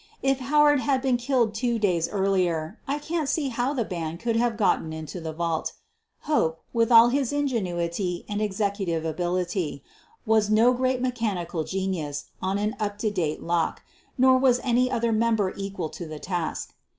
If Howard had been killed two days earlier, I can't see how the band could have gotten into the vault. Hope, with all his ingenuity and executive ability, was no great mechanical genius on an up to date lock, nor was any other member equal to the task.